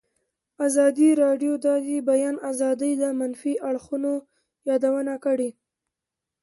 ازادي راډیو د د بیان آزادي د منفي اړخونو یادونه کړې.